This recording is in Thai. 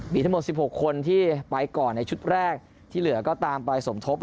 มีทั้งหมด๑๖คนที่ไปก่อนในชุดแรกที่เหลือก็ตามไปสมทบ